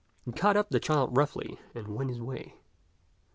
He caught up the child roughly and went his way.